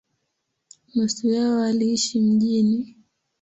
Nusu yao waliishi mjini.